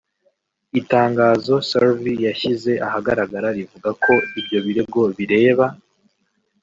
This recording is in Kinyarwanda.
Itangazo Survie yashyize ahagaragara rivuga ko ibyo birego bireba